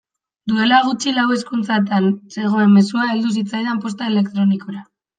Duela gutxi lau hizkuntzatan zegoen mezua heldu zitzaidan posta elektronikora.